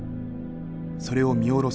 それを見下ろす